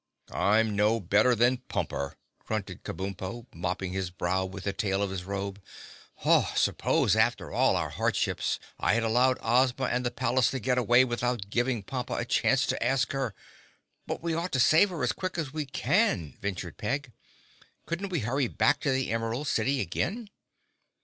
"I'm no better than Pumper," grunted Kabumpo, mopping his brow with the tail of his robe. "Suppose, after all our hardships, I had allowed Ozma and the palace to get away without giving Pompa a chance to ask her—" "But we ought to save her as quick as we can," ventured Peg. "Couldn't we hurry back to the Emerald City again?"